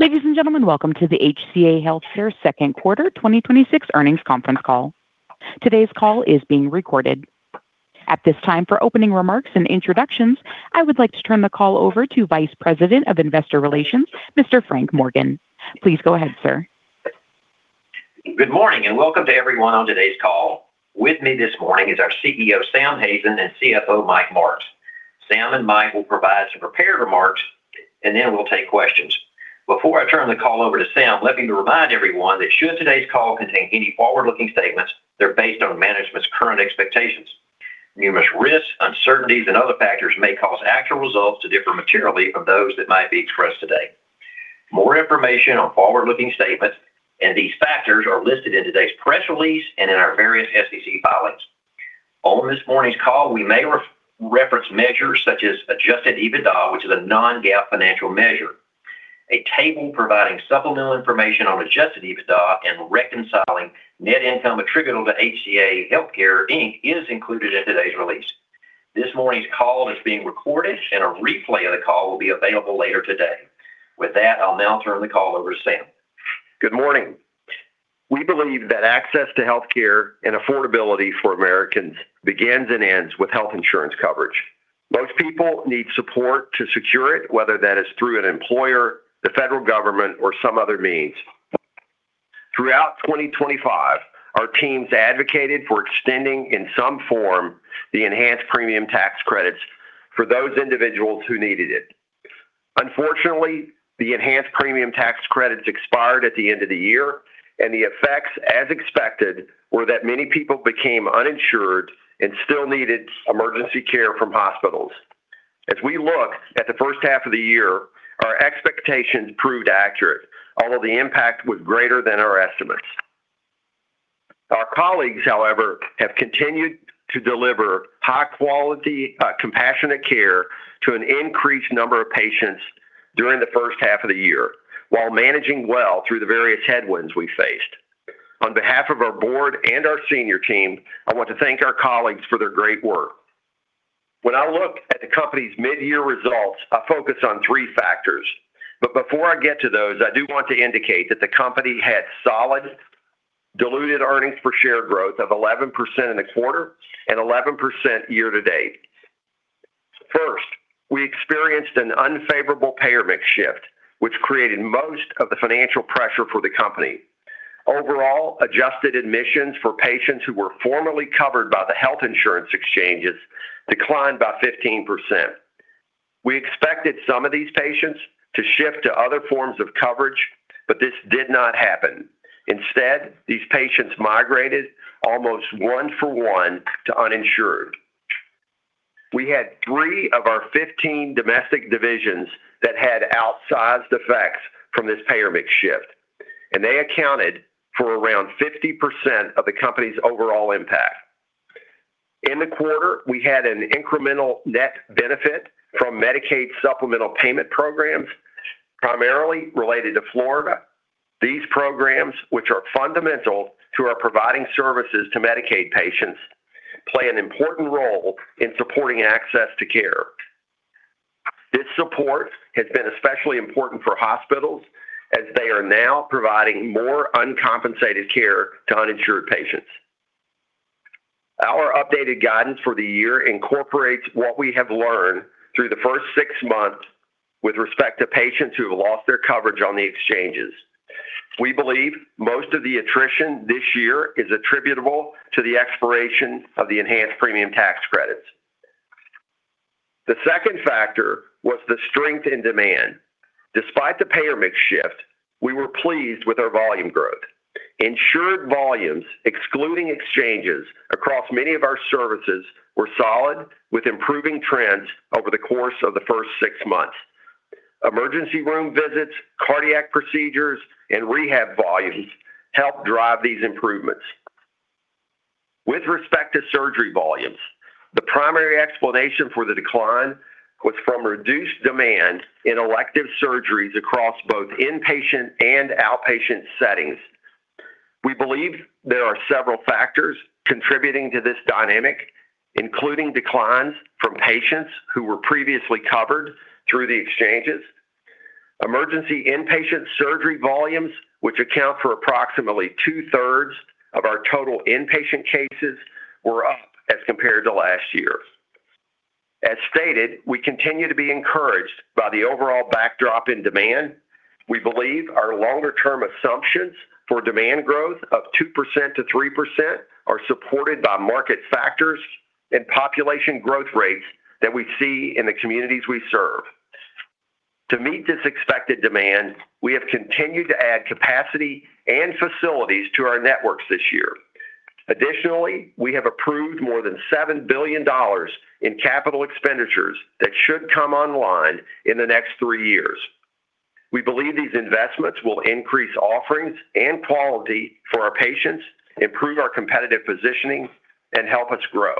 Ladies and gentlemen, welcome to the HCA Healthcare second quarter 2026 earnings conference call. Today's call is being recorded. At this time, for opening remarks and introductions, I would like to turn the call over to Vice President of Investor Relations, Mr. Frank Morgan. Please go ahead, sir. Good morning. Welcome to everyone on today's call. With me this morning is our CEO, Sam Hazen, and CFO, Mike Marks. Sam and Mike will provide some prepared remarks and then we'll take questions. Before I turn the call over to Sam, let me remind everyone that should today's call contain any forward-looking statements, they're based on management's current expectations. Numerous risks, uncertainties, and other factors may cause actual results to differ materially from those that might be expressed today. More information on forward-looking statements and these factors are listed in today's press release and in our various SEC filings. On this morning's call, we may reference measures such as Adjusted EBITDA, which is a non-GAAP financial measure. A table providing supplemental information on Adjusted EBITDA and reconciling net income attributable to HCA Healthcare Inc. is included in today's release. This morning's call is being recorded. A replay of the call will be available later today. With that, I'll now turn the call over to Sam. Good morning. We believe that access to healthcare and affordability for Americans begins and ends with health insurance coverage. Most people need support to secure it, whether that is through an employer, the federal government, or some other means. Throughout 2025, our teams advocated for extending, in some form, the enhanced premium tax credits for those individuals who needed it. Unfortunately, the enhanced premium tax credits expired at the end of the year. The effects, as expected, were that many people became uninsured and still needed emergency care from hospitals. As we look at the first half of the year, our expectations proved accurate, although the impact was greater than our estimates. Our colleagues, however, have continued to deliver high quality, compassionate care to an increased number of patients during the first half of the year, while managing well through the various headwinds we faced. On behalf of our board and our senior team, I want to thank our colleagues for their great work. When I look at the company's mid-year results, I focus on three factors. Before I get to those, I do want to indicate that the company had solid diluted earnings per share growth of 11% in the quarter and 11% year to date. First, we experienced an unfavorable payer mix shift, which created most of the financial pressure for the company. Overall, adjusted admissions for patients who were formerly covered by the health insurance exchanges declined by 15%. We expected some of these patients to shift to other forms of coverage, but this did not happen. Instead, these patients migrated almost one for one to uninsured. We had three of our 15 domestic divisions that had outsized effects from this payer mix shift, and they accounted for around 50% of the company's overall impact. In the quarter, we had an incremental net benefit from Medicaid supplemental payment programs, primarily related to Florida. These programs, which are fundamental to our providing services to Medicaid patients, play an important role in supporting access to care. This support has been especially important for hospitals as they are now providing more uncompensated care to uninsured patients. Our updated guidance for the year incorporates what we have learned through the first six months with respect to patients who have lost their coverage on the exchanges. We believe most of the attrition this year is attributable to the expiration of the enhanced premium tax credits. The second factor was the strength in demand. Despite the payer mix shift, we were pleased with our volume growth. Insured volumes, excluding exchanges, across many of our services were solid, with improving trends over the course of the first six months. Emergency room visits, cardiac procedures, and rehab volumes helped drive these improvements. With respect to surgery volumes, the primary explanation for the decline was from reduced demand in elective surgeries across both inpatient and outpatient settings. We believe there are several factors contributing to this dynamic, including declines from patients who were previously covered through the exchanges. Emergency inpatient surgery volumes, which account for approximately two-thirds of our total inpatient cases, were up as compared to last year. As stated, we continue to be encouraged by the overall backdrop in demand. We believe our longer-term assumptions for demand growth of 2%-3% are supported by market factors and population growth rates that we see in the communities we serve. To meet this expected demand, we have continued to add capacity and facilities to our networks this year. Additionally, we have approved more than $7 billion in capital expenditures that should come online in the next three years. We believe these investments will increase offerings and quality for our patients, improve our competitive positioning, and help us grow.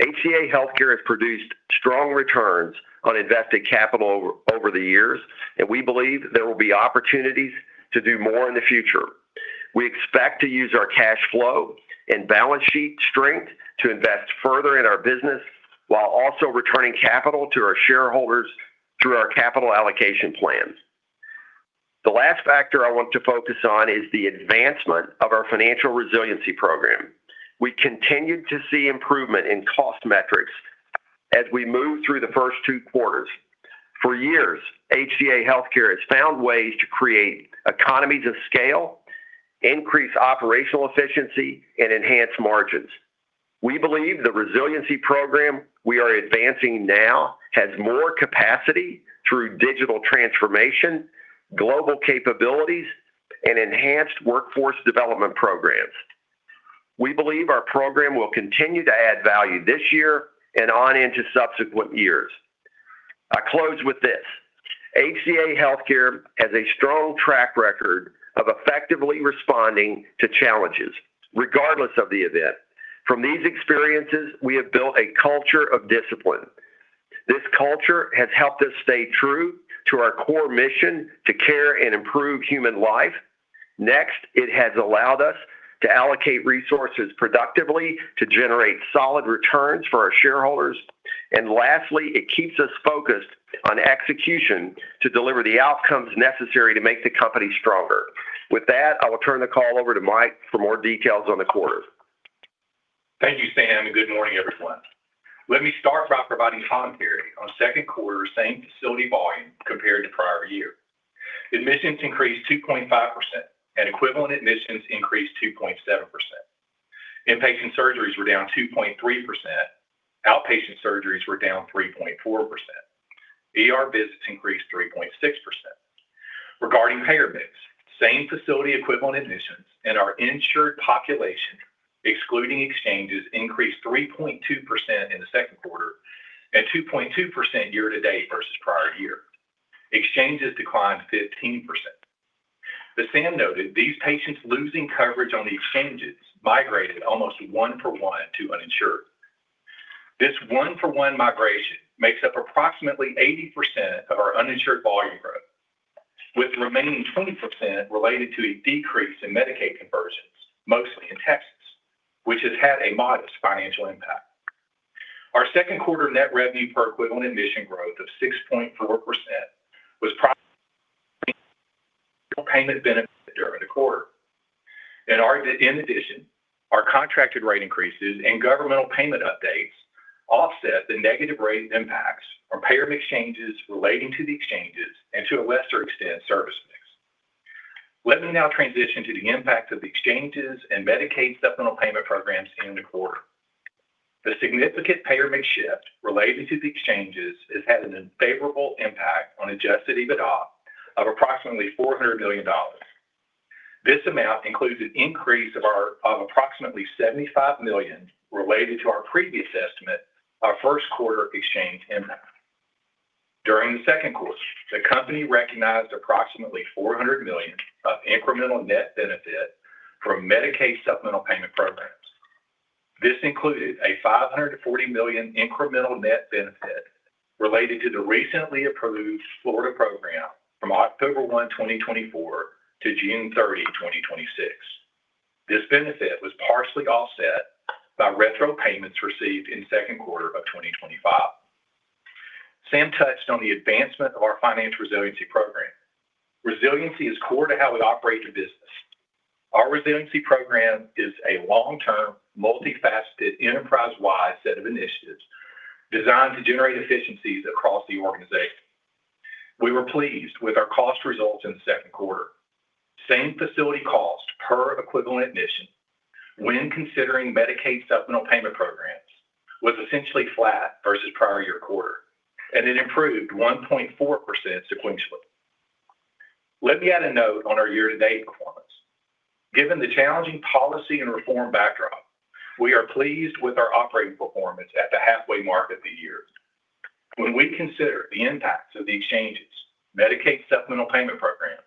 HCA Healthcare has produced strong returns on invested capital over the years, and we believe there will be opportunities to do more in the future. We expect to use our cash flow and balance sheet strength to invest further in our business while also returning capital to our shareholders through our capital allocation plans. The last factor I want to focus on is the advancement of our financial resiliency program. We continued to see improvement in cost metrics as we moved through the first two quarters. For years, HCA Healthcare has found ways to create economies of scale, increase operational efficiency, and enhance margins. We believe the resiliency program we are advancing now has more capacity through digital transformation, global capabilities, and enhanced workforce development programs. We believe our program will continue to add value this year and on into subsequent years. I close with this. HCA Healthcare has a strong track record of effectively responding to challenges, regardless of the event. From these experiences, we have built a culture of discipline. This culture has helped us stay true to our core mission to care and improve human life. Next, it has allowed us to allocate resources productively to generate solid returns for our shareholders. Lastly, it keeps us focused on execution to deliver the outcomes necessary to make the company stronger. With that, I will turn the call over to Mike for more details on the quarter. Thank you, Sam, and good morning, everyone. Let me start by providing commentary on second quarter same facility volume compared to prior year. Admissions increased 2.5%, and equivalent admissions increased 2.7%. In-patient surgeries were down 2.3%. Outpatient surgeries were down 3.4%. ER visits increased 3.6%. Regarding payer mix, same facility equivalent admissions and our insured population, excluding exchanges, increased 3.2% in the second quarter and 2.2% year-to-date versus prior year. Exchanges declined 15%. As Sam noted, these patients losing coverage on the exchanges migrated almost one for one to uninsured. This one for one migration makes up approximately 80% of our uninsured volume growth, with the remaining 20% related to a decrease in Medicaid conversions, mostly in Texas, which has had a modest financial impact. Our second quarter net revenue per equivalent admission growth of 6.4% was probably payment benefit during the quarter. In addition, our contracted rate increases and governmental payment updates offset the negative rate impacts from payer mix changes relating to the exchanges and to a lesser extent, service mix. Let me now transition to the impact of the exchanges and Medicaid supplemental payment programs in the quarter. The significant payer mix shift related to the exchanges has had an unfavorable impact on Adjusted EBITDA of approximately $400 million. This amount includes an increase of approximately $75 million related to our previous estimate, our first quarter exchange impact. During the second quarter, the company recognized approximately $400 million of incremental net benefit from Medicaid supplemental payment programs. This included a $540 million incremental net benefit related to the recently approved Florida program from October 1, 2024 to June 30, 2026. This benefit was partially offset by retro payments received in second quarter of 2025. Sam touched on the advancement of our financial resiliency program. Resiliency is core to how we operate the business. Our resiliency program is a long-term, multifaceted, enterprise-wide set of initiatives designed to generate efficiencies across the organization. We were pleased with our cost results in the second quarter. Same facility cost per equivalent admission when considering Medicaid supplemental payment programs was essentially flat versus prior year quarter, and it improved 1.4% sequentially. Let me add a note on our year-to-date performance. Given the challenging policy and reform backdrop, we are pleased with our operating performance at the halfway mark of the year. When we consider the impacts of the exchanges, Medicaid supplemental payment programs,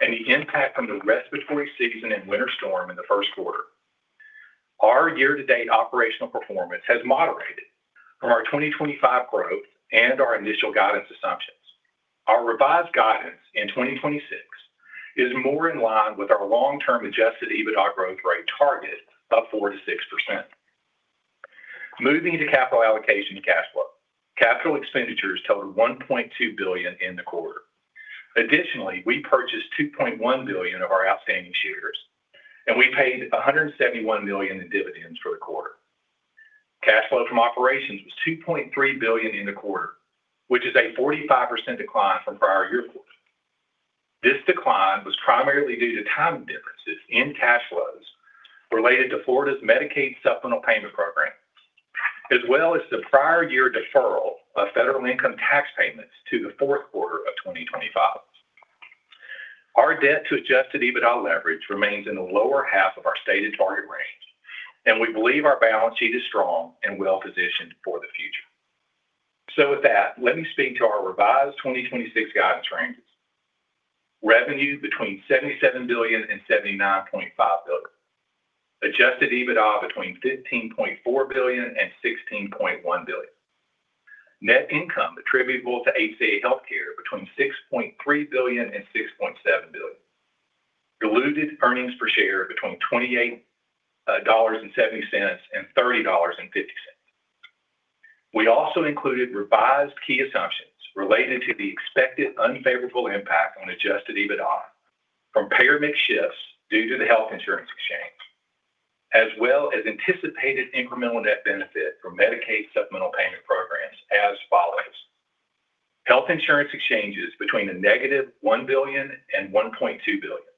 and the impact from the respiratory season and winter storm in the first quarter, our year-to-date operational performance has moderated from our 2025 growth and our initial guidance assumptions. Our revised guidance in 2026 is more in line with our long-term Adjusted EBITDA growth rate target of 4%-6%. Moving to capital allocation cash flow. Capital expenditures totaled $1.2 billion in the quarter. Additionally, we purchased $2.1 billion of our outstanding shares, and we paid $171 million in dividends for the quarter. Cash flow from operations was $2.3 billion in the quarter, which is a 45% decline from prior year quarter. This decline was primarily due to timing differences in cash flows related to Florida's Medicaid supplemental payment program, as well as the prior year deferral of federal income tax payments to the fourth quarter of 2025. Our debt to Adjusted EBITDA leverage remains in the lower half of our stated target range, and we believe our balance sheet is strong and well-positioned for the future. With that, let me speak to our revised 2026 guidance ranges. Revenue between $77 billion and $79.5 billion. Adjusted EBITDA between $15.4 billion and $16.1 billion. Net income attributable to HCA Healthcare between $6.3 billion and $6.7 billion. Diluted earnings per share between $28.70 and $30.50. We also included revised key assumptions related to the expected unfavorable impact on Adjusted EBITDA from payer mix shifts due to the health insurance exchange, as well as anticipated incremental net benefit from Medicaid supplemental payment programs as follows. Health insurance exchanges between the negative $1 billion and $1.2 billion.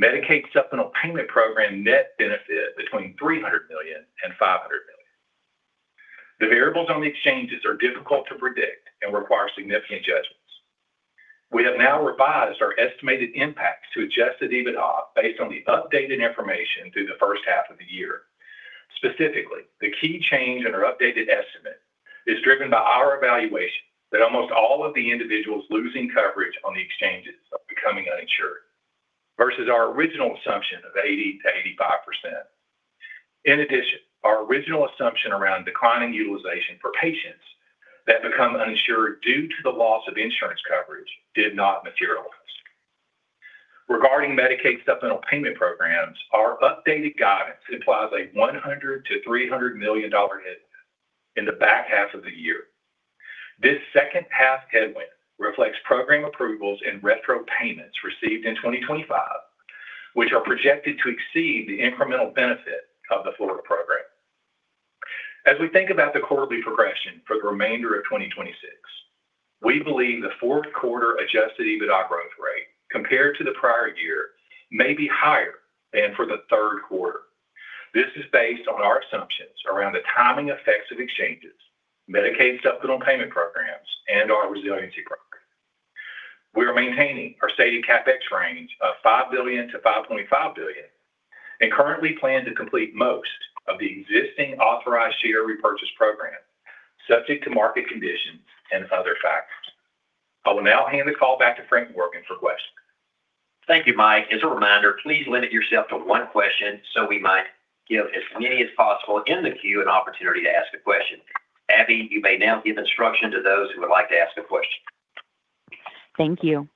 Medicaid supplemental payment programs net benefit between $300 million and $500 million. The variables on the exchanges are difficult to predict and require significant judgments. We have now revised our estimated impacts to Adjusted EBITDA based on the updated information through the first half of the year. Specifically, the key change in our updated estimate is driven by our evaluation that almost all of the individuals losing coverage on the exchanges are becoming uninsured, versus our original assumption of 80%-85%. In addition, our original assumption around declining utilization for patients that become uninsured due to the loss of insurance coverage did not materialize. Regarding Medicaid supplemental payment programs, our updated guidance implies a $100 million-$300 million headwind in the back half of the year. This second half headwind reflects program approvals and retro payments received in 2025, which are projected to exceed the incremental benefit of the Florida program. As we think about the quarterly progression for the remainder of 2026, we believe the fourth quarter Adjusted EBITDA growth rate, compared to the prior year, may be higher than for the third quarter. This is based on our assumptions around the timing effects of exchanges, Medicaid supplemental payment programs, and our resiliency program. We are maintaining our stated CapEx range of $5 billion-$5.5 billion, and currently plan to complete most of the existing authorized share repurchase program, subject to market conditions and other factors. I will now hand the call back to Frank Morgan for questions. Thank you, Mike. As a reminder, please limit yourself to one question so we might give as many as possible in the queue an opportunity to ask a question. Abby, you may now give instruction to those who would like to ask a question. Thank you.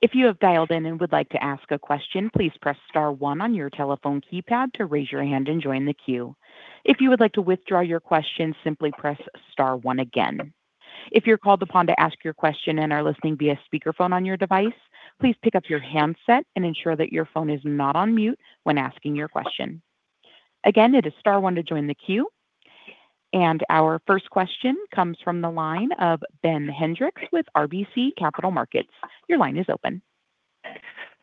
If you have dialed in and would like to ask a question, please press star one on your telephone keypad to raise your hand and join the queue. If you would like to withdraw your question, simply press star one again. If you're called upon to ask your question and are listening via speakerphone on your device, please pick up your handset and ensure that your phone is not on mute when asking your question. Again, it is star one to join the queue. Our first question comes from the line of Ben Hendrix with RBC Capital Markets. Your line is open.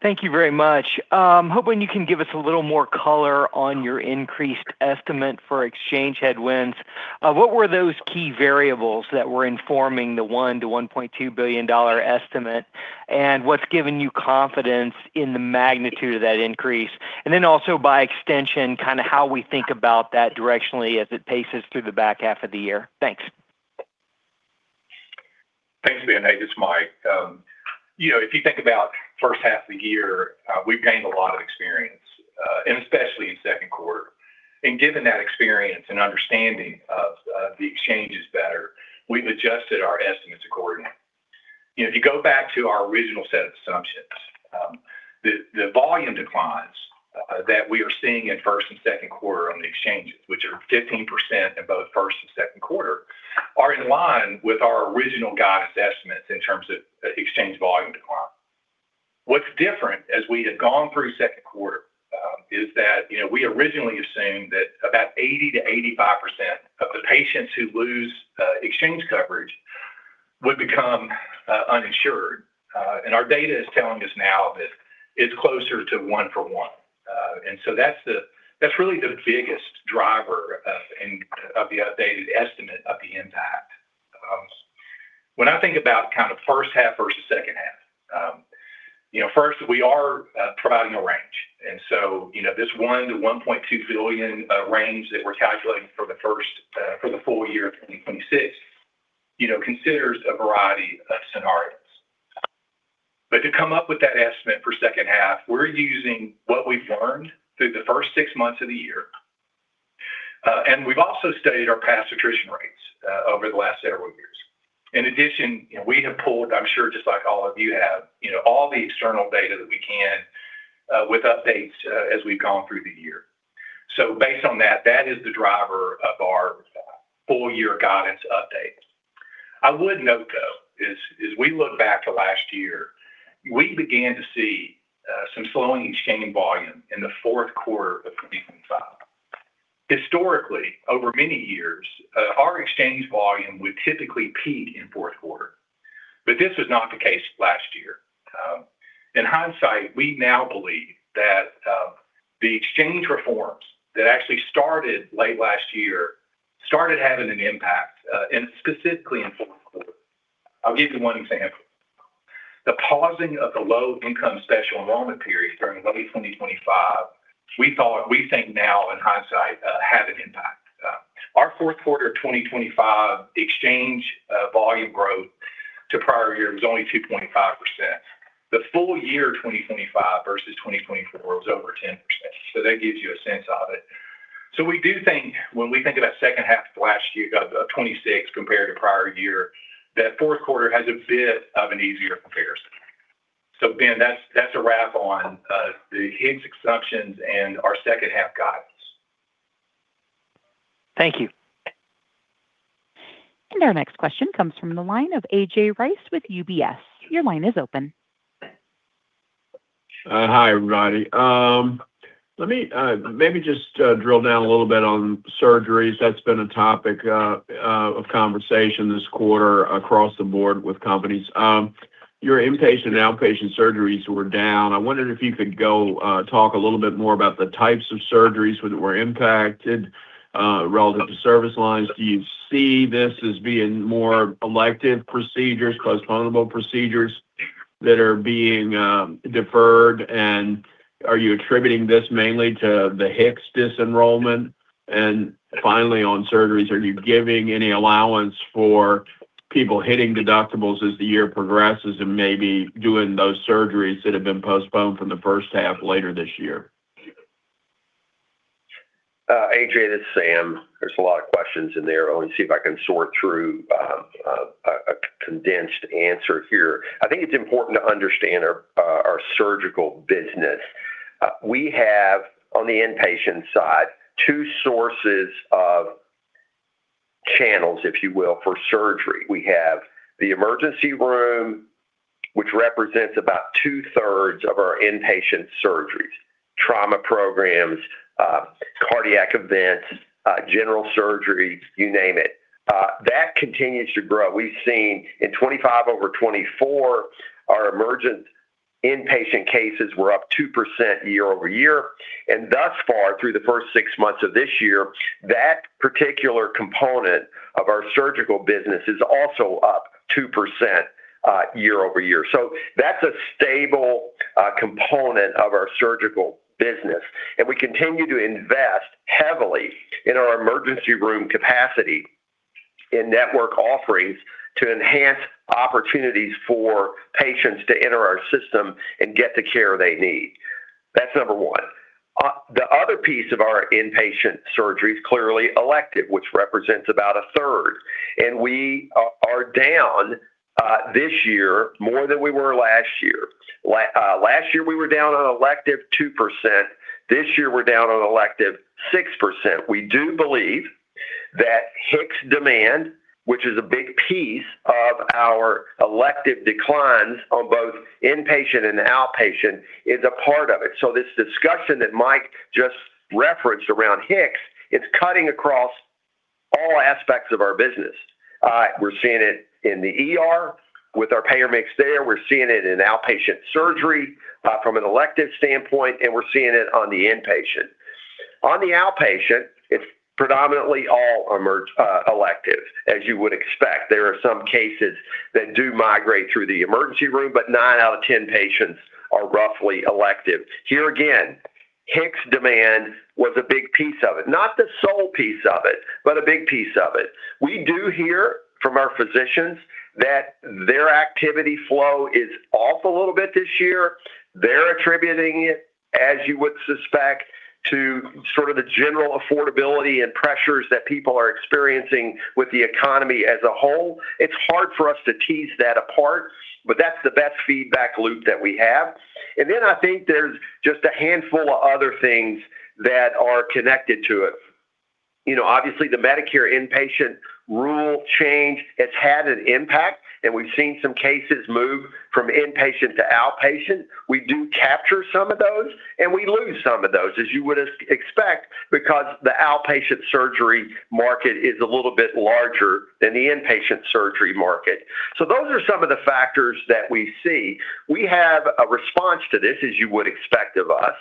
Thank you very much. I'm hoping you can give us a little more color on your increased estimate for exchange headwinds. What were those key variables that were informing the $1 billion-$1.2 billion estimate, what's given you confidence in the magnitude of that increase? Then also by extension, how we think about that directionally as it paces through the back half of the year. Thanks. Thanks, Ben. This is Mike. If you think about first half of the year, we've gained a lot of experience, especially in second quarter. Given that experience and understanding of the exchanges better, we've adjusted our estimates accordingly. If you go back to our original set of assumptions, the volume declines that we are seeing in first and second quarter on the exchanges, which are 15% in both first and second quarter, are in line with our original guidance estimates in terms of exchange volume decline. What's different as we had gone through second quarter, is that, we originally assumed that about 80%-85% of the patients who lose exchange coverage would become uninsured. Our data is telling us now that it's closer to one for one. That's really the biggest driver of the updated estimate of the impact. When I think about first half versus second half. First we are providing a range, this $1 billion-$1.2 billion range that we're calculating for the full year 2026, considers a variety of scenarios. To come up with that estimate for second half, we're using what we've learned through the first six months of the year. We've also studied our past attrition rates over the last several years. In addition, we have pulled, I'm sure just like all of you have, all the external data that we can, with updates as we've gone through the year. Based on that is the driver of our full year guidance update. I would note, though, as we look back to last year, we began to see some slowing exchange volume in the fourth quarter of 2025. Historically, over many years, our exchange volume would typically peak in fourth quarter. This was not the case last year. In hindsight, we now believe that the exchange reforms that actually started late last year started having an impact, specifically in fourth quarter. I'll give you one example. The pausing of the Low-Income Special Enrollment Period during early 2025, we think now in hindsight, had an impact. Our fourth quarter 2025 exchange volume growth to prior year, it was only 2.5%. The full year 2025 versus 2024 was over 10%, that gives you a sense of it. We do think when we think about second half of 2026 compared to prior year, that fourth quarter has a bit of an easier comparison. Ben, that's a wrap on the HICS exceptions and our second half guidance. Thank you. Our next question comes from the line of A.J. Rice with UBS. Your line is open. Hi, everybody. Let me maybe just drill down a little bit on surgeries. That's been a topic of conversation this quarter across the board with companies. Your inpatient and outpatient surgeries were down. I wondered if you could go talk a little bit more about the types of surgeries that were impacted relative to service lines. Do you see this as being more elective procedures, postponable procedures that are being deferred? Are you attributing this mainly to the HICS dis-enrollment? Finally, on surgeries, are you giving any allowance for people hitting deductibles as the year progresses and maybe doing those surgeries that have been postponed from the first half later this year? A.J., this is Sam. There's a lot of questions in there. Let me see if I can sort through a condensed answer here. I think it's important to understand our surgical business. We have, on the inpatient side, two sources of channels, if you will, for surgery. We have the emergency room, which represents about two-thirds of our inpatient surgeries, trauma programs, cardiac events, general surgery, you name it. That continues to grow. We've seen in 2025 over 2024, our emergent inpatient cases were up 2% year-over-year. Thus far, through the first six months of this year, that particular component of our surgical business is also up 2% year-over-year. That's a stable component of our surgical business. We continue to invest heavily in our emergency room capacity in network offerings to enhance opportunities for patients to enter our system and get the care they need. That's number one. The other piece of our inpatient surgery is clearly elective, which represents about a third. We are down this year more than we were last year. Last year, we were down on elective 2%. This year, we're down on elective 6%. We do believe that HICS demand, which is a big piece of our elective declines on both inpatient and outpatient, is a part of it. This discussion that Mike just referenced around HICS, it's cutting across all aspects of our business. We're seeing it in the ER with our payer mix there. We're seeing it in outpatient surgery from an elective standpoint. We're seeing it on the inpatient. On the outpatient, it's predominantly all elective, as you would expect. There are some cases that do migrate through the emergency room, but nine out of 10 patients are roughly elective. Here again, HICS demand was a big piece of it, not the sole piece of it, but a big piece of it. We do hear from our physicians that their activity flow is off a little bit this year. They're attributing it, as you would suspect, to sort of the general affordability and pressures that people are experiencing with the economy as a whole. It's hard for us to tease that apart, but that's the best feedback loop that we have. I think there's just a handful of other things that are connected to it. Obviously, the Medicare inpatient rule change has had an impact. We've seen some cases move from inpatient to outpatient. We do capture some of those. We lose some of those, as you would expect, because the outpatient surgery market is a little bit larger than the inpatient surgery market. Those are some of the factors that we see. We have a response to this, as you would expect of us.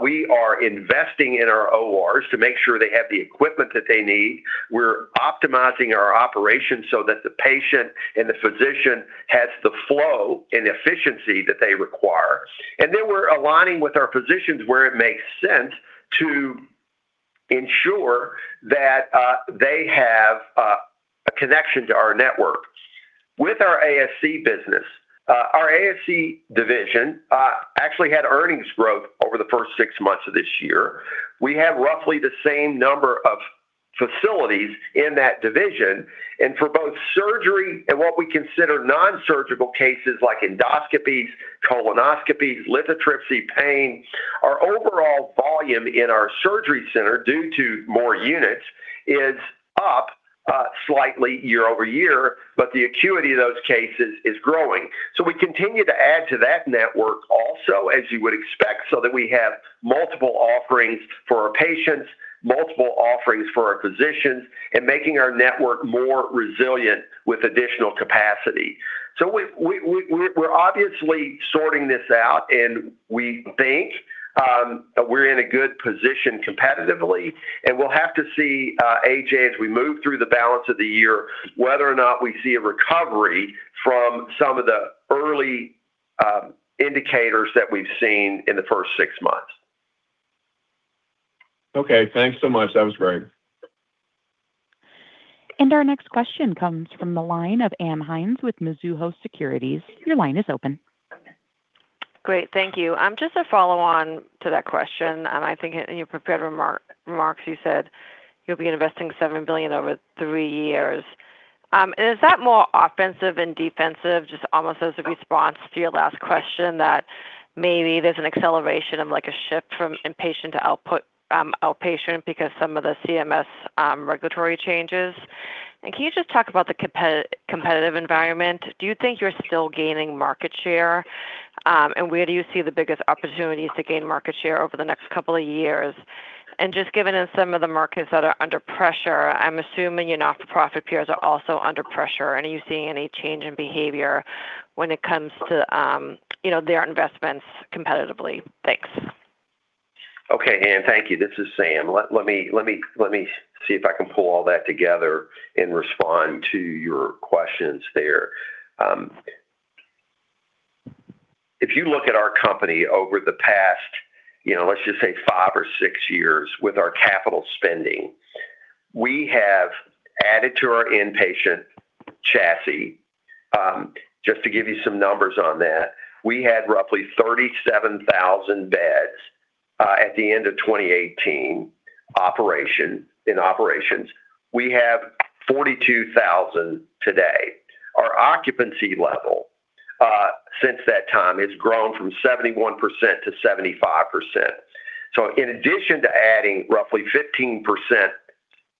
We are investing in our ORs to make sure they have the equipment that they need. We're optimizing our operations so that the patient and the physician has the flow and efficiency that they require. We're aligning with our physicians where it makes sense to ensure that they have a connection to our network. With our ASC business, our ASC division actually had earnings growth over the first six months of this year. We have roughly the same number of facilities in that division. For both surgery and what we consider non-surgical cases like endoscopies, colonoscopies, lithotripsy, pain, our overall volume in our surgery center, due to more units, is up slightly year-over-year, but the acuity of those cases is growing. We continue to add to that network also, as you would expect, so that we have multiple offerings for our patients, multiple offerings for our physicians, and making our network more resilient with additional capacity. We're obviously sorting this out. We think that we're in a good position competitively. We'll have to see, A.J., as we move through the balance of the year, whether or not we see a recovery from some of the early indicators that we've seen in the first six months. Okay, thanks so much. That was great. Our next question comes from the line of Ann Hynes with Mizuho Securities. Your line is open. Great. Thank you. Just a follow-on to that question. I think in your prepared remarks, you said you'll be investing $7 billion over three years. Is that more offensive than defensive? Just almost as a response to your last question that maybe there's an acceleration of a shift from inpatient to outpatient because some of the CMS regulatory changes. Can you just talk about the competitive environment? Do you think you're still gaining market share? Where do you see the biggest opportunities to gain market share over the next couple of years? Just given some of the markets that are under pressure, I'm assuming your not-for-profit peers are also under pressure. Are you seeing any change in behavior when it comes to their investments competitively? Thanks. Okay, Ann. Thank you. This is Sam. Let me see if I can pull all that together and respond to your questions there. If you look at our company over the past, let's just say five or six years with our capital spending, we have added to our inpatient chassis. Just to give you some numbers on that, we had roughly 37,000 beds at the end of 2018 in operations. We have 42,000 today. Our occupancy level since that time has grown from 71% to 75%. So in addition to adding roughly 15%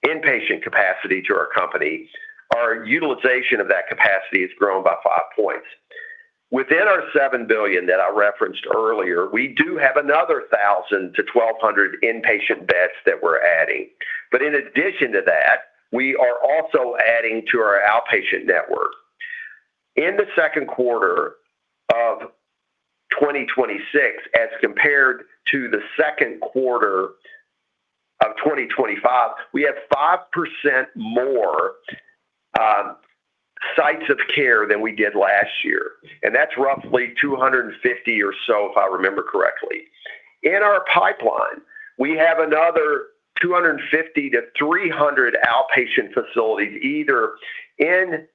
inpatient capacity to our company, our utilization of that capacity has grown by 5 points. Within our $7 billion that I referenced earlier, we do have another 1,000 to 1,200 inpatient beds that we're adding. In addition to that, we are also adding to our outpatient network. In the second quarter of 2026, as compared to the second quarter of 2025, we have 5% more sites of care than we did last year, and that's roughly 250 or so, if I remember correctly. In our pipeline, we have another 250 to 300 outpatient facilities, either in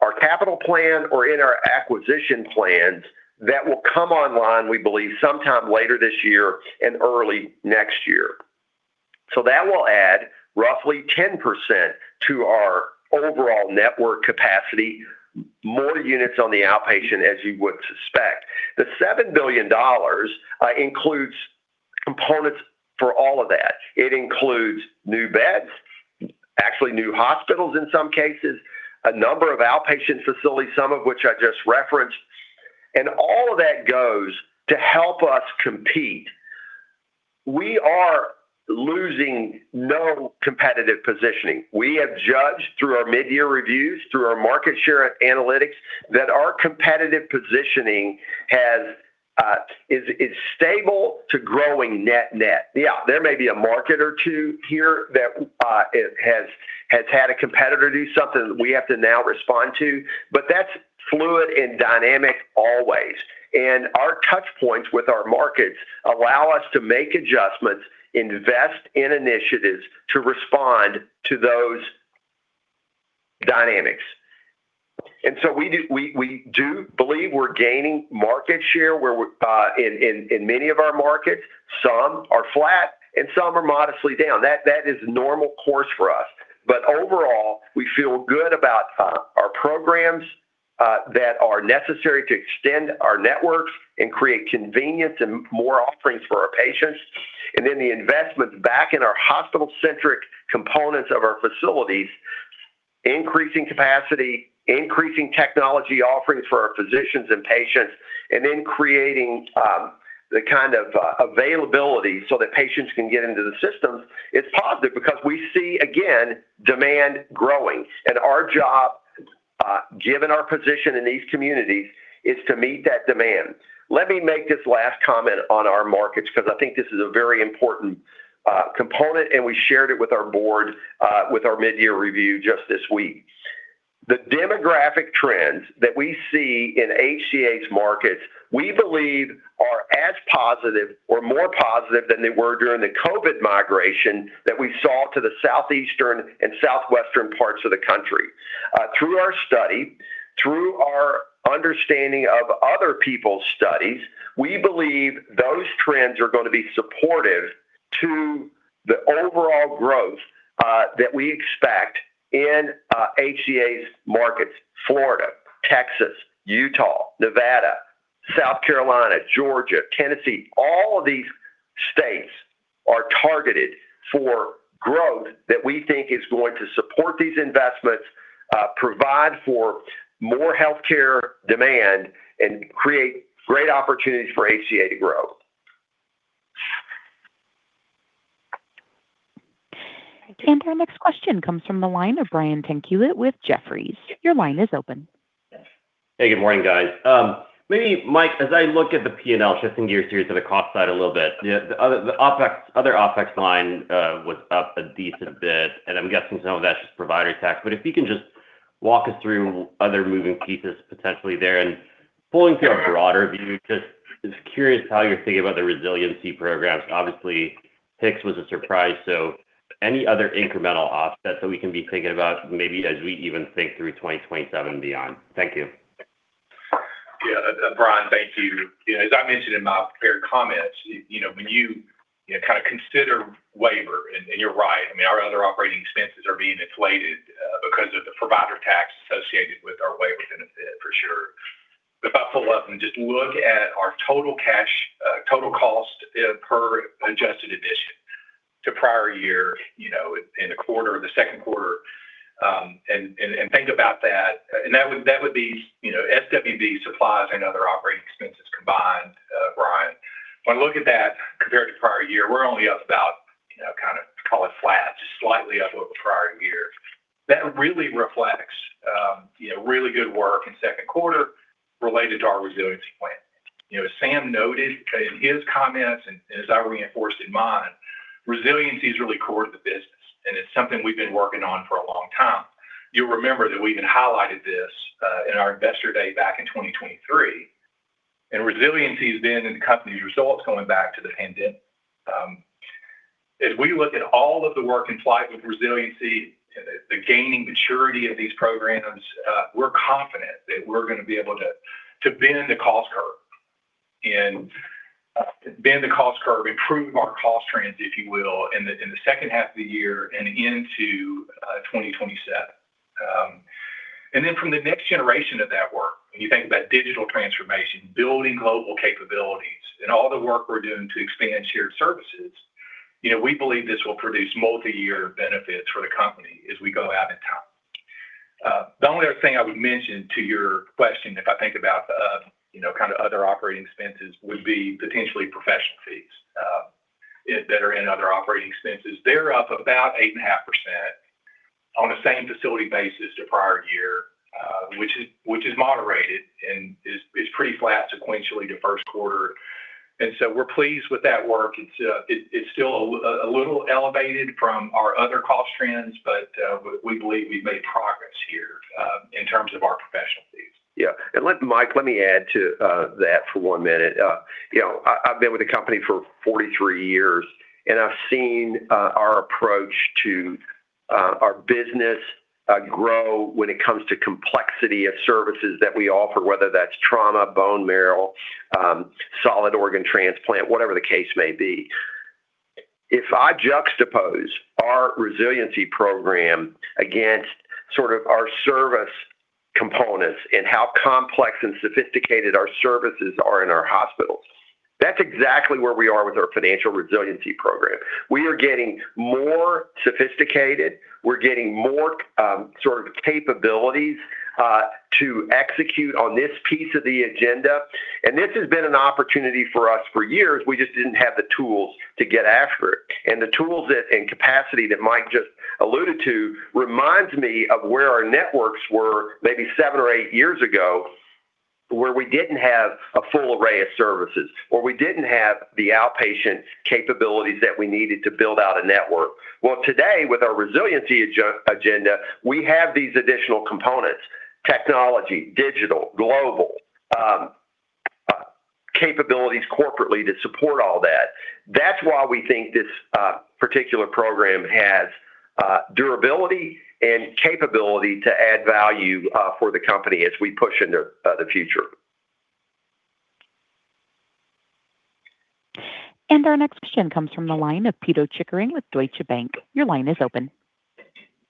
our capital plan or in our acquisition plans that will come online, we believe, sometime later this year and early next year. That will add roughly 10% to our overall network capacity, more units on the outpatient, as you would suspect. The $7 billion includes components for all of that. It includes new beds, actually new hospitals in some cases, a number of outpatient facilities, some of which I just referenced. All of that goes to help us compete. We are losing no competitive positioning. We have judged through our mid-year reviews, through our market share analytics, that our competitive positioning is stable to growing net-net. Yeah, there may be a market or two here that has had a competitor do something that we have to now respond to, but that's fluid and dynamic always. Our touch points with our markets allow us to make adjustments, invest in initiatives to respond to those dynamics. We do believe we're gaining market share in many of our markets. Some are flat and some are modestly down. That is normal course for us. Overall, we feel good about our programs that are necessary to extend our networks and create convenience and more offerings for our patients. The investments back in our hospital-centric components of our facilities, increasing capacity, increasing technology offerings for our physicians and patients, and then creating the kind of availability so that patients can get into the systems, is positive because we see, again, demand growing. Our job, given our position in these communities, is to meet that demand. Let me make this last comment on our markets because I think this is a very important component, and we shared it with our board with our mid-year review just this week. The demographic trends that we see in HCA's markets, we believe are as positive or more positive than they were during the COVID migration that we saw to the southeastern and southwestern parts of the country. Through our study, through our understanding of other people's studies, we believe those trends are going to be supportive to the overall growth that we expect in HCA's markets. Florida, Texas, Utah, Nevada, South Carolina, Georgia, Tennessee, all of these states are targeted for growth that we think is going to support these investments, provide for more healthcare demand, and create great opportunities for HCA to grow. Our next question comes from the line of Brian Tanquilut with Jefferies. Your line is open. Hey, good morning, guys. Mike, as I look at the P&L, shifting gears here to the cost side a little bit. The other OpEx line was up a decent bit, and I'm guessing some of that's just provider tax. If you can just walk us through other moving pieces potentially there, pulling to a broader view, just curious how you're thinking about the resiliency programs. Obviously, HICS was a surprise, any other incremental offsets that we can be thinking about maybe as we even think through 2027 and beyond? Thank you. Yeah, Brian, thank you. As I mentioned in my prepared comments, when you consider waiver, you're right, our other operating expenses are being inflated because of the provider tax associated with our waiver benefit for sure. If I pull up and just look at our total cost per adjusted admission to prior year in the second quarter, think about that would be SWB supplies and other operating expenses combined, Brian. When I look at that compared to prior year, we're only up about, call it flat, just slightly up over the prior year. That really reflects really good work in second quarter related to our resiliency plan. As Sam noted in his comments and as I reinforced in mine, resiliency is really core to the business, and it's something we've been working on for a long time. You'll remember that we even highlighted this in our Investor Day back in 2023, resiliency's been in the company's results going back to the pandemic. As we look at all of the work in flight with resiliency and the gaining maturity of these programs, we're confident that we're going to be able to bend the cost curve and improve our cost trends, if you will, in the second half of the year and into 2027. From the next generation of that work, when you think about digital transformation, building global capabilities, and all the work we're doing to expand shared services, we believe this will produce multi-year benefits for the company as we go out in time. The only other thing I would mention to your question, if I think about the other operating expenses, would be potentially professional fees that are in other operating expenses. They're up about 8.5% on a same facility basis to prior year, which is moderated and is pretty flat sequentially to first quarter. We're pleased with that work. It's still a little elevated from our other cost trends, we believe we've made progress here in terms of our professional fees. Yeah. Mike, let me add to that for one minute. I've been with the company for 43 years, I've seen our approach to our business grow when it comes to complexity of services that we offer, whether that's trauma, bone marrow, solid organ transplant, whatever the case may be. If I juxtapose our resiliency program against our service components and how complex and sophisticated our services are in our hospitals, that's exactly where we are with our financial resiliency program. We are getting more sophisticated. We're getting more capabilities to execute on this piece of the agenda. This has been an opportunity for us for years. We just didn't have the tools to get after it. The tools and capacity that Mike just alluded to reminds me of where our networks were maybe seven or eight years ago, where we didn't have a full array of services, or we didn't have the outpatient capabilities that we needed to build out a network. Well, today, with our resiliency agenda, we have these additional components, technology, digital, global, capabilities corporately to support all that. That's why we think this particular program has durability and capability to add value for the company as we push into the future. Our next question comes from the line of Pito Chickering with Deutsche Bank. Your line is open.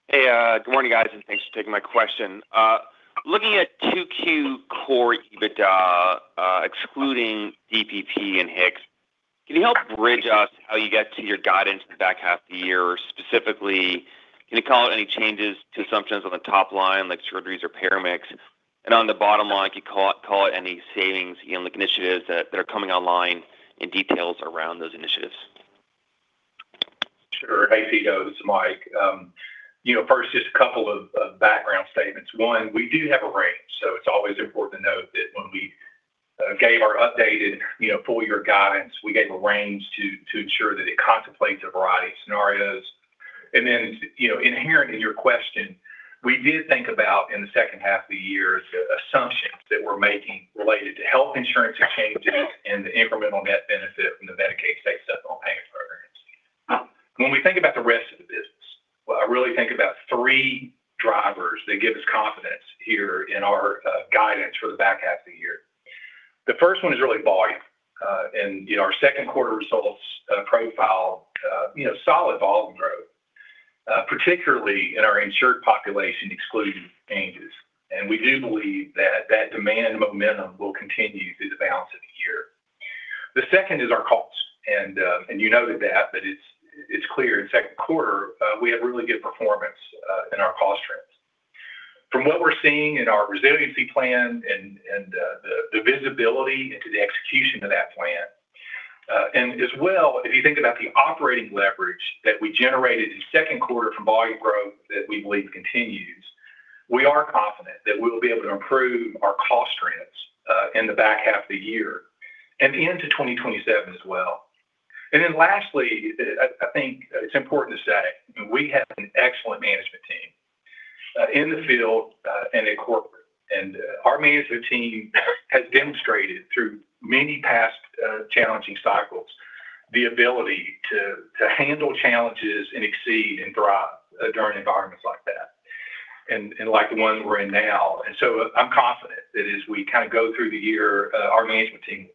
Hey, good morning, guys, thanks for taking my question. Looking at Q2 core EBITDA, excluding DPP and HICS, can you help bridge us how you got to your guidance for the back half of the year? Specifically, can you call out any changes to assumptions on the top line, like surgeries or para-mix? On the bottom line, can you call out any savings in the initiatives that are coming online and details around those initiatives? Sure. Hey, Pito. This is Mike. First, just a couple of background statements. One, we do have a range, so it's always important to note that when we gave our updated full-year guidance, we gave a range to ensure that it contemplates a variety of scenarios. Inherent in your question, we did think about, in the second half of the year, the assumptions that we're making related to health insurance changes and the incremental net benefit from the Medicaid supplemental payment programs. When we think about the rest of the business, I really think about three drivers that give us confidence here in our guidance for the back half of the year. The first one is really volume. Our second quarter results profile solid volume growth, particularly in our insured population excluding changes. We do believe that that demand momentum will continue through the balance of the year. The second is our cost. You noted that, but it's clear in second quarter, we have really good performance in our cost trends. From what we're seeing in our resiliency plan and the visibility into the execution of that plan, as well, if you think about the operating leverage that we generated in second quarter from volume growth that we believe continues, we are confident that we will be able to improve our cost trends. In the back half of the year, and into 2027 as well. Lastly, I think it's important to say, we have an excellent management team in the field and in corporate. Our management team has demonstrated through many past challenging cycles the ability to handle challenges and exceed and thrive during environments like that, and like the one we're in now. So I'm confident that as we go through the year, our management team.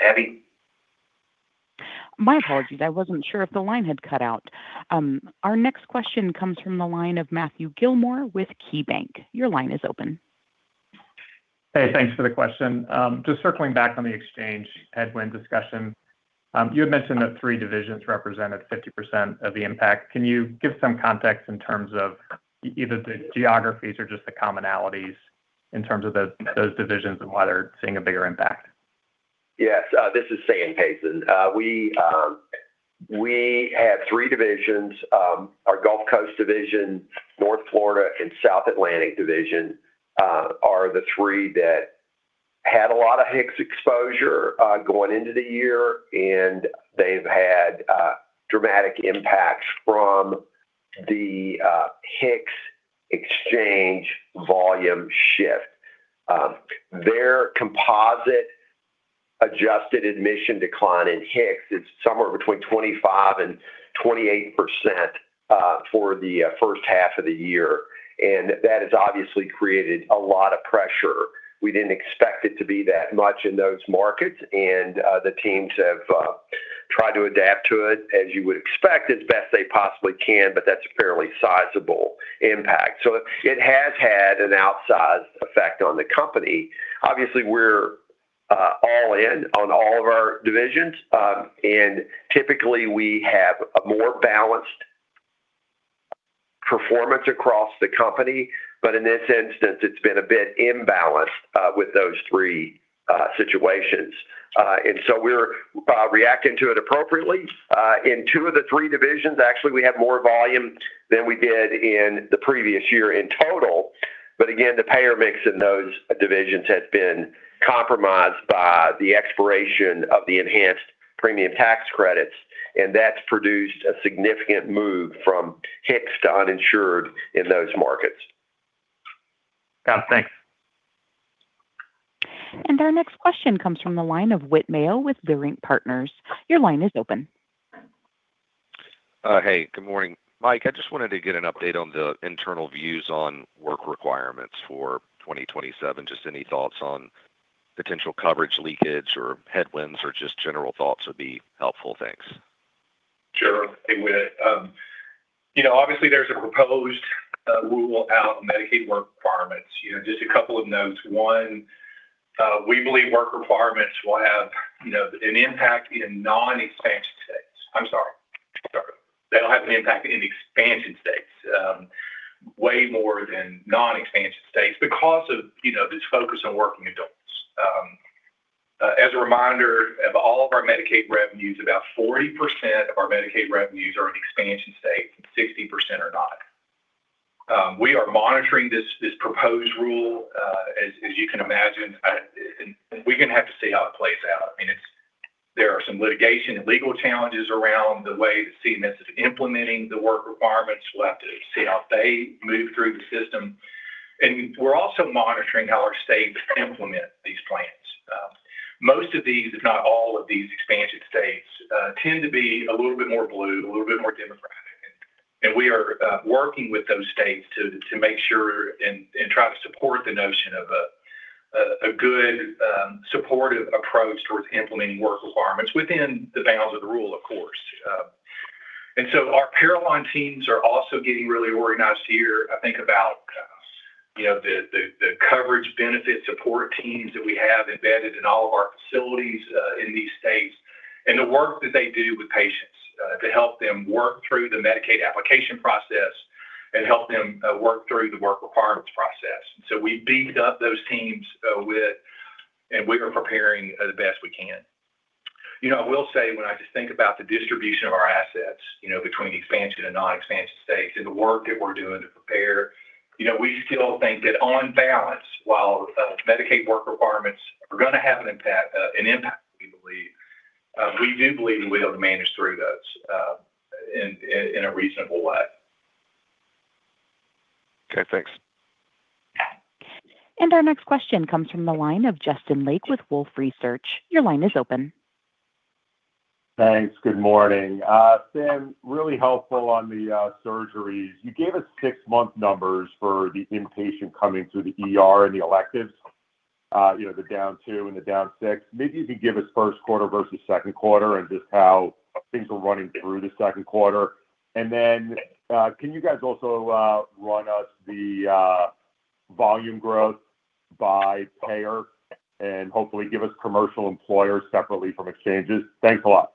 Abby? My apologies. I wasn't sure if the line had cut out. Our next question comes from the line of Matthew Gilmore with KeyBanc. Your line is open. Hey, thanks for the question. Just circling back on the exchange headwind discussion. You had mentioned that three divisions represented 50% of the impact. Can you give some context in terms of either the geographies or just the commonalities in terms of those divisions and why they're seeing a bigger impact? Yes. This is Sam Hazen. We have three divisions. Our Gulf Coast Division, North Florida, and South Atlantic Division are the three that had a lot of HICS exposure going into the year, and they've had dramatic impacts from the HICS exchange volume shift. Their composite adjusted admission decline in HICS is somewhere between 25% and 28% for the first half of the year, and that has obviously created a lot of pressure. We didn't expect it to be that much in those markets, and the teams have tried to adapt to it, as you would expect, as best they possibly can, but that's a fairly sizable impact. It has had an outsized effect on the company. Obviously, we're all in on all of our divisions. Typically, we have a more balanced performance across the company. In this instance, it's been a bit imbalanced with those three situations. We're reacting to it appropriately. In two of the three divisions, actually, we have more volume than we did in the previous year in total. Again, the payer mix in those divisions has been compromised by the expiration of the Enhanced Premium Tax Credits, and that's produced a significant move from HICS to uninsured in those markets. Got it. Thanks. Our next question comes from the line of Whit Mayo with Leerink Partners. Your line is open. Hey, good morning. Mike, I just wanted to get an update on the internal views on work requirements for 2027. Just any thoughts on potential coverage leakage or headwinds or just general thoughts would be helpful. Thanks. Sure. Hey, Whit. Obviously, there's a proposed rule out in Medicaid work requirements. Just a couple of notes. One, we believe work requirements will have an impact in non-expansion states. I'm sorry. They'll have an impact in expansion states, way more than non-expansion states because of this focus on working adults. As a reminder, of all of our Medicaid revenues, about 40% of our Medicaid revenues are in expansion states, 60% are not. We are monitoring this proposed rule, as you can imagine. We're going to have to see how it plays out. There are some litigation and legal challenges around the way that CMS is implementing the work requirements. We'll have to see how they move through the system. We're also monitoring how our states implement these plans. Most of these, if not all of these expansion states, tend to be a little bit more blue, a little bit more Democratic. We are working with those states to make sure and try to support the notion of a good supportive approach towards implementing work requirements within the bounds of the rule, of course. Our Parallon teams are also getting really organized here, I think about the coverage benefit support teams that we have embedded in all of our facilities in these states, and the work that they do with patients to help them work through the Medicaid application process and help them work through the work requirements process. We've beefed up those teams, Whit, and we are preparing as best we can. I will say when I just think about the distribution of our assets between expansion and non-expansion states and the work that we're doing to prepare, we still think that on balance, while Medicaid work requirements are going to have an impact, we believe we'll be able to manage through those in a reasonable way. Okay, thanks. Our next question comes from the line of Justin Lake with Wolfe Research. Your line is open. Thanks. Good morning. Sam, really helpful on the surgeries. You gave us six month numbers for the inpatient coming through the ER and the electives, the down two and the down six. Maybe if you can give us first quarter versus second quarter and just how things are running through the second quarter. Then can you guys also run us the volume growth by payer and hopefully give us commercial employers separately from exchanges? Thanks a lot.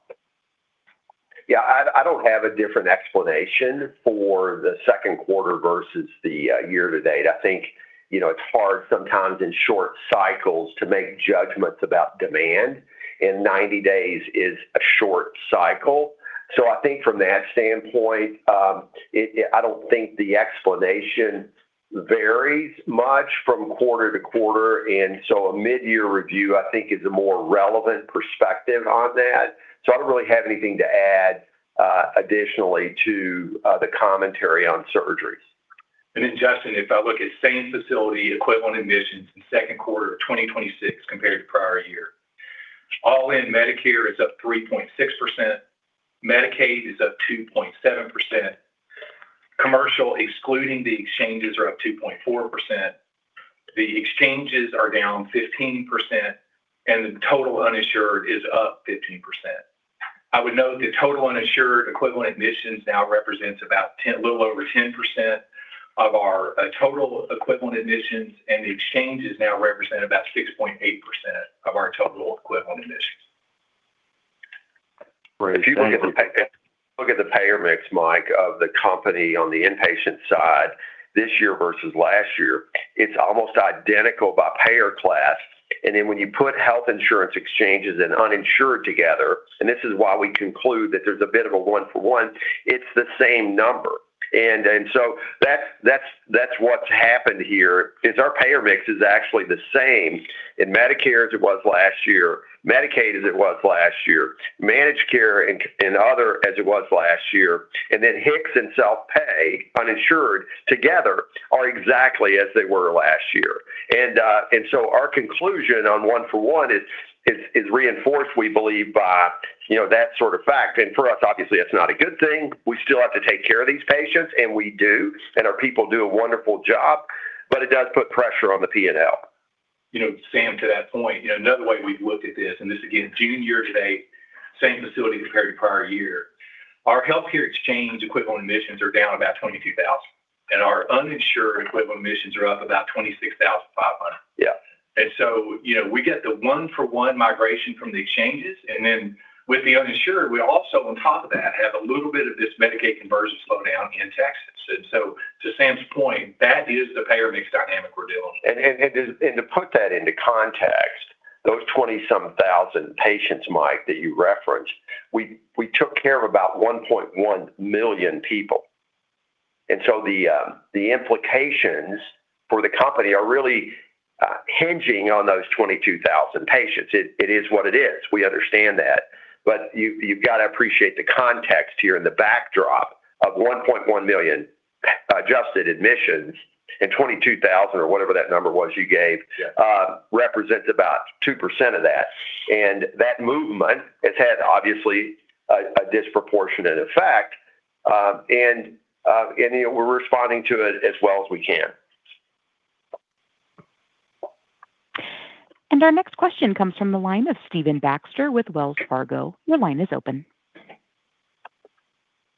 Yeah, I don't have a different explanation for the second quarter versus the year to date. I think it's hard sometimes in short cycles to make judgments about demand, and 90 days is a short cycle. I think from that standpoint, I don't think the explanation varies much from quarter to quarter, a midyear review, I think, is a more relevant perspective on that. I don't really have anything to add additionally to the commentary on surgeries. Justin, if I look at same-facility equivalent admissions in second quarter of 2026 compared to prior year, all-in Medicare is up 3.6%, Medicaid is up 2.7%, commercial excluding the exchanges are up 2.4%, the exchanges are down 15%, and the total uninsured is up 15%. I would note the total uninsured equivalent admissions now represents a little over 10% of our total equivalent admissions, and the exchanges now represent about 6.8% of our total equivalent admissions. If you look at the payer mix, Mike, of the company on the inpatient side this year versus last year, it's almost identical by payer class. When you put health insurance exchanges and uninsured together, and this is why we conclude that there's a bit of a one for one, it's the same number. That's what's happened here, is our payer mix is actually the same in Medicare as it was last year, Medicaid as it was last year, managed care and other as it was last year, and then HICS and self-pay, uninsured together are exactly as they were last year. Our conclusion on one for one is reinforced, we believe, by that sort of fact. For us, obviously, that's not a good thing. We still have to take care of these patients, and we do, and our people do a wonderful job, but it does put pressure on the P&L. Sam, to that point, another way we've looked at this again, June year-to-date, same facility compared to prior year. Our healthcare exchange equivalent admissions are down about 22,000, and our uninsured equivalent admissions are up about 26,500. Yeah. We get the one-for-one migration from the exchanges, then with the uninsured, we also on top of that, have a little bit of this Medicaid conversion slowdown in Texas. To Sam's point, that is the payer mix dynamic we're dealing with. To put that into context, those 20-some thousand patients, Mike, that you referenced, we took care of about 1.1 million people. The implications for the company are really hinging on those 22,000 patients. It is what it is. We understand that. You've got to appreciate the context here and the backdrop of 1.1 million adjusted admissions and 22,000, or whatever that number was you gave. Yeah That represents about 2% of that. That movement has had obviously a disproportionate effect, and we're responding to it as well as we can. Our next question comes from the line of Stephen Baxter with Wells Fargo. Your line is open.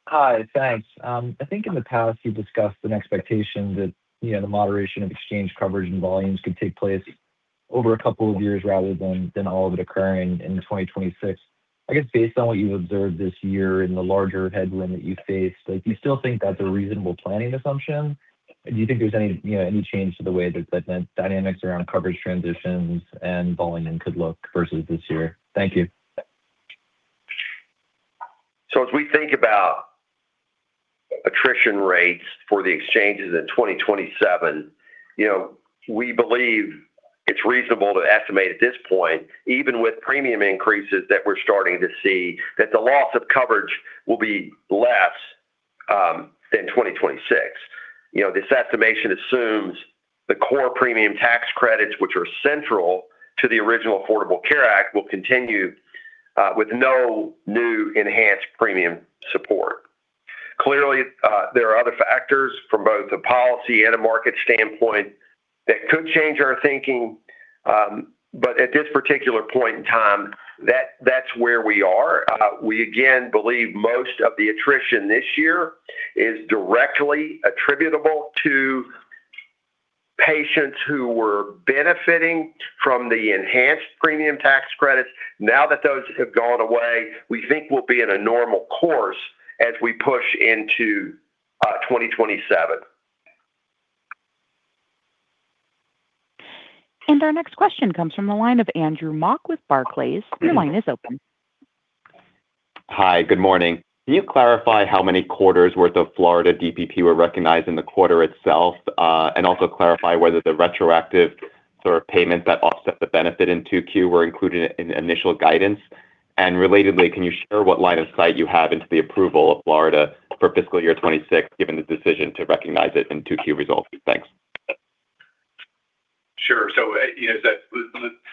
Hi. Thanks. I think in the past you've discussed an expectation that the moderation of exchange coverage and volumes could take place over a couple of years rather than all of it occurring in 2026. I guess based on what you've observed this year and the larger headwind that you face, do you still think that's a reasonable planning assumption? Do you think there's any change to the way the dynamics around coverage transitions and volume could look versus this year? Thank you. As we think about attrition rates for the exchanges in 2027, we believe it's reasonable to estimate at this point, even with premium increases that we're starting to see, that the loss of coverage will be less than 2026. This estimation assumes the core premium tax credits, which are central to the original Affordable Care Act, will continue with no new enhanced premium support. Clearly, there are other factors from both a policy and a market standpoint that could change our thinking. At this particular point in time, that's where we are. We, again, believe most of the attrition this year is directly attributable to patients who were benefiting from the enhanced premium tax credits. Now that those have gone away, we think we'll be in a normal course as we push into 2027. Our next question comes from the line of Andrew Mok with Barclays. Your line is open. Hi. Good morning. Can you clarify how many quarters worth of Florida DPP were recognized in the quarter itself, and also clarify whether the retroactive sort of payment that offset the benefit in Q2 were included in the initial guidance? Relatedly, can you share what line of sight you have into the approval of Florida for fiscal year 2026, given the decision to recognize it in Q2 results? Thanks. To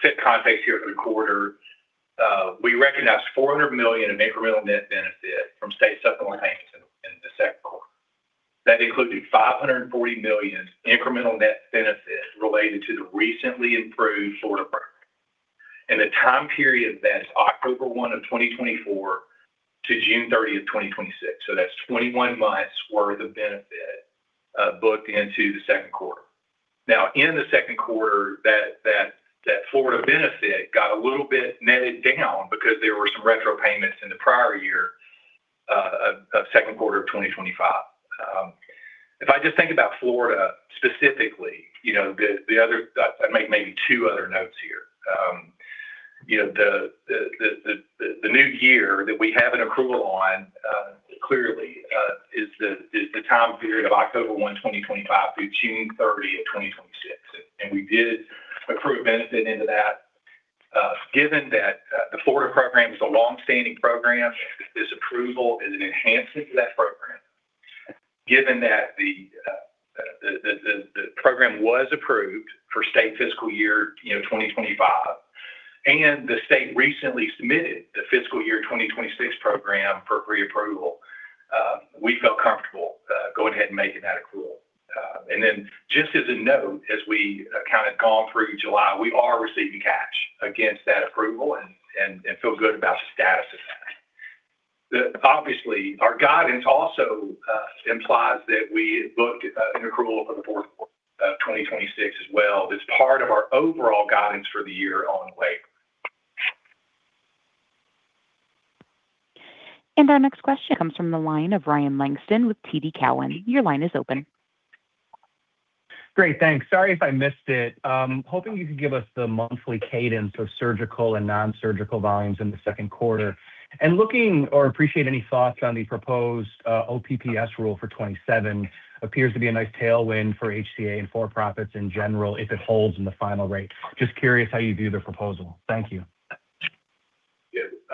set context here for the quarter, we recognized $400 million in incremental net benefit from state supplemental enhancements in the second quarter. That included $540 million incremental net benefit related to the recently improved Florida program in the time period that is October 1 of 2024 to June 30th, 2026. That's 21 months worth of benefit booked into the second quarter. Now, in the second quarter, that Florida benefit got a little bit netted down because there were some retro payments in the prior year of second quarter of 2025. If I just think about Florida specifically, I'd make maybe two other notes here. The new year that we have an accrual on, clearly, is the time period of October 1, 2025 through June 30 of 2026. We did accrue a benefit into that. Given that the Florida program is a longstanding program, this approval is an enhancement to that program. Given that the program was approved for state fiscal year 2025, and the state recently submitted the fiscal year 2026 program for reapproval, we feel comfortable going ahead and making that accrual. Just as a note, as we kind of gone through July, we are receiving cash against that approval and feel good about the status of that. Obviously, our guidance also implies that we had booked an accrual for the fourth quarter of 2026 as well. That's part of our overall guidance for the year on the way. Our next question comes from the line of Ryan Langston with TD Cowen. Your line is open. Great, thanks. Sorry if I missed it. Hoping you could give us the monthly cadence of surgical and non-surgical volumes in the second quarter. Appreciate any thoughts on the proposed OPPS rule for 2027. Appears to be a nice tailwind for HCA and for-profits in general if it holds in the final rate. Just curious how you view the proposal. Thank you.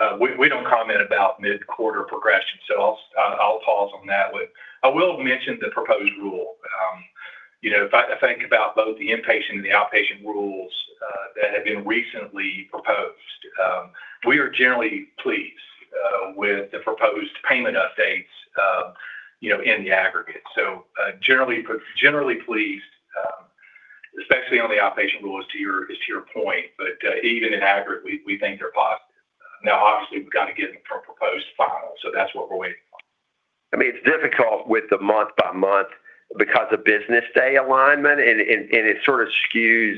Yeah. We don't comment about mid-quarter progression, so I'll pause on that one. I will mention the proposed rule. If I think about both the inpatient and the outpatient rules that have been recently proposed, we are generally pleased with the proposed payment updates in the aggregate. Generally pleased, especially on the outpatient rules is to your point. Even in aggregate, we think they're positive. Obviously, we've got to get them from proposed to final, so that's what we're waiting on. It's difficult with the month-by-month because of business day alignment, and it sort of skews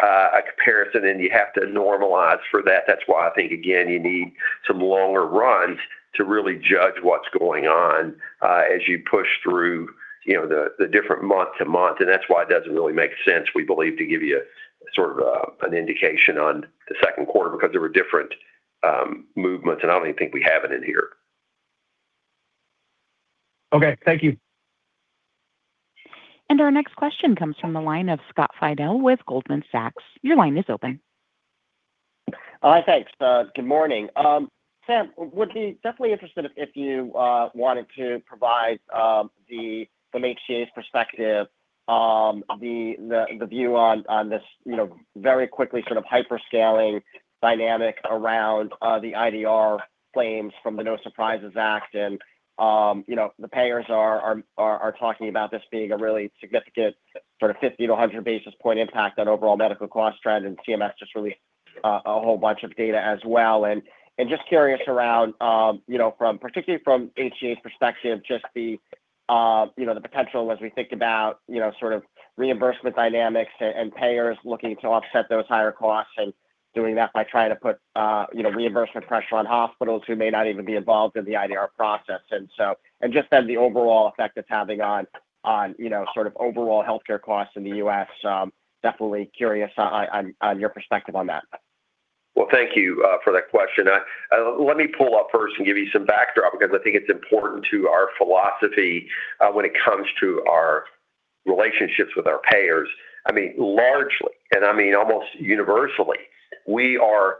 a comparison, and you have to normalize for that. That's why I think, again, you need some longer runs to really judge what's going on as you push through the different month to month. That's why it doesn't really make sense, we believe, to give you sort of an indication on the second quarter because there were different movements, and I don't even think we have it in here. Okay. Thank you. Our next question comes from the line of Scott Fidel with Goldman Sachs. Your line is open. Hi, thanks. Good morning. Sam, would be definitely interested if you wanted to provide the HCA's perspective, the view on this very quickly sort of hyper-scaling dynamic around the IDR claims from the No Surprises Act. The payers are talking about this being a really significant sort of 50 to 100 basis point impact on overall medical cost trend. CMS just released a whole bunch of data as well. Just curious around, particularly from HCA's perspective, just the potential as we think about reimbursement dynamics and payers looking to offset those higher costs and doing that by trying to put reimbursement pressure on hospitals who may not even be involved in the IDR process. Then the overall effect it's having on sort of overall healthcare costs in the U.S. Definitely curious on your perspective on that. Well, thank you for that question. Let me pull up first and give you some backdrop, because I think it's important to our philosophy when it comes to our relationships with our payers. Largely, and I mean, almost universally, we are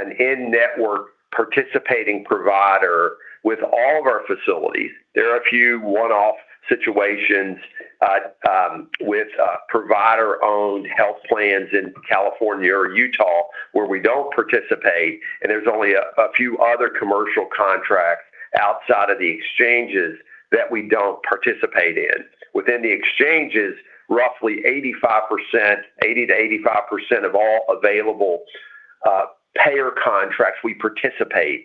an in-network participating provider with all of our facilities. There are a few one-off situations with provider-owned health plans in California or Utah where we don't participate, and there's only a few other commercial contracts outside of the exchanges that we don't participate in. Within the exchanges, roughly 80% to 85% of all available payer contracts, we participate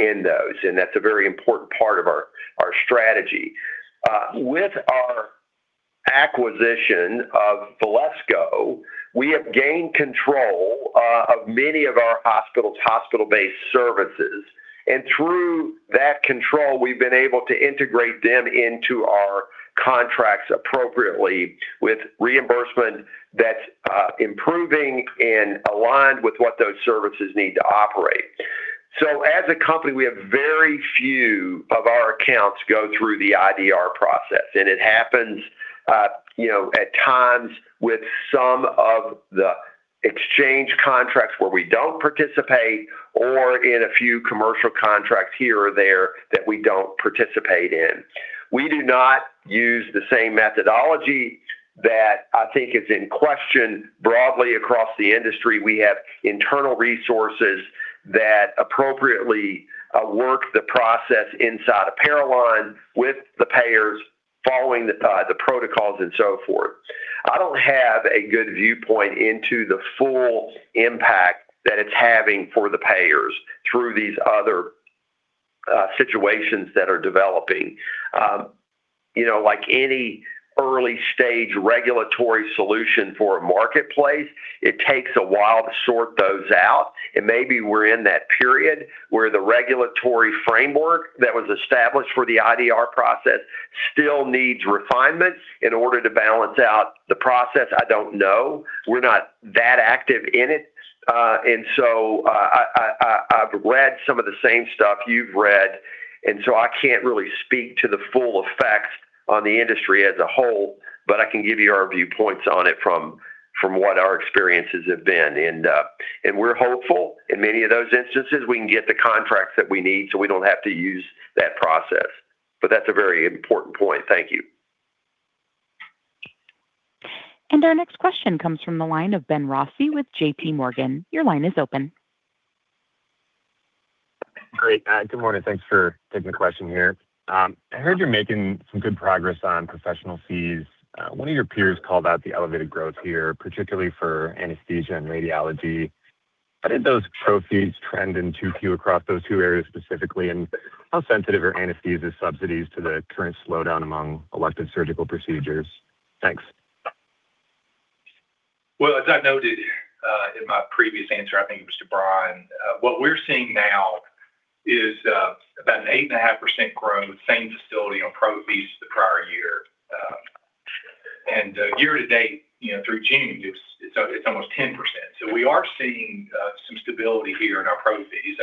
in those, and that's a very important part of our strategy. With our acquisition of Valesco, we have gained control of many of our hospital's hospital-based services. Through that control, we've been able to integrate them into our contracts appropriately with reimbursement that's improving and aligned with what those services need to operate. As a company, we have very few of our accounts go through the IDR process. It happens at times with some of the exchange contracts where we don't participate or in a few commercial contracts here or there that we don't participate in. We do not use the same methodology that I think is in question broadly across the industry. We have internal resources that appropriately work the process inside of Parallon with the payers following the protocols and so forth. I don't have a good viewpoint into the full impact that it's having for the payers through these other situations that are developing. Like any early stage regulatory solution for a marketplace, it takes a while to sort those out, and maybe we're in that period where the regulatory framework that was established for the IDR process still needs refinements in order to balance out the process. I don't know. We're not that active in it. I've read some of the same stuff you've read, so I can't really speak to the full effects on the industry as a whole, but I can give you our viewpoints on it from what our experiences have been. We're hopeful in many of those instances we can get the contracts that we need so we don't have to use that process. That's a very important point. Thank you. Our next question comes from the line of Ben Rossi with JPMorgan. Your line is open. Great. Good morning. Thanks for taking the question here. I heard you're making some good progress on professional fees. One of your peers called out the elevated growth here, particularly for anesthesia and radiology. How did those pro fees trend in Q2 across those two areas specifically, and how sensitive are anesthesia subsidies to the current slowdown among elective surgical procedures? Thanks. Well, as I noted in my previous answer, I think it was to Brian, what we're seeing now is about an 8.5% growth, same facility on pro fees the prior year. Year to date, through June, it's almost 10%. We are seeing some stability here in our pro fees.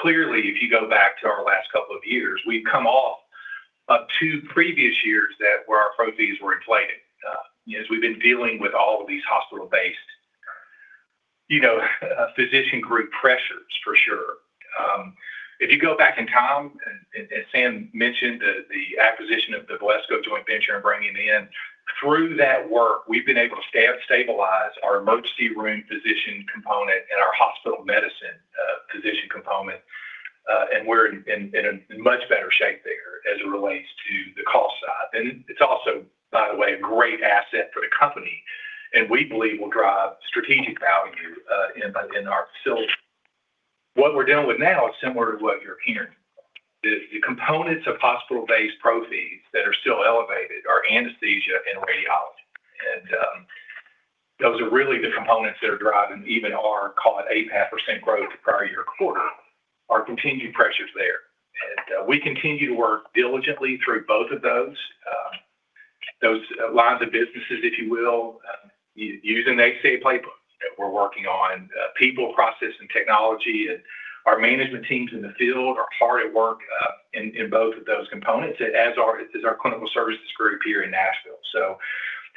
Clearly, if you go back to our last couple of years, we've come off of two previous years where our pro fees were inflated, as we've been dealing with all of these hospital-based physician group pressures for sure. If you go back in time, as Sam mentioned, the acquisition of the Valesco joint venture and bringing in, through that work, we've been able to stabilize our ER physician component and our hospital medicine physician component. We're in a much better shape there as it relates to the cost side. It's also, by the way, a great asset for the company, and we believe will drive strategic value in our facilities. What we're dealing with now is similar to what you're hearing. The components of hospital-based pro fees that are still elevated are anesthesia and radiology. Those are really the components that are driving even our, call it, 8.5% growth the prior year quarter, our continued pressures there. We continue to work diligently through both of those lines of businesses, if you will, using the HCA playbook that we're working on, people, process, and technology. Our management teams in the field are hard at work in both of those components, as is our clinical services group here in Nashville.